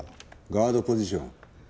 ガードポジション。